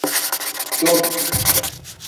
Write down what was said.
ٹݸک